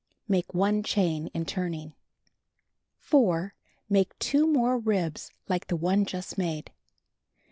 Make 1 chain in turning. 4. Make 2 more ribs like the one just made.